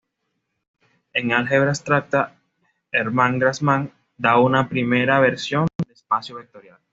En álgebra abstracta, Hermann Grassmann da una primera versión de espacio vectorial.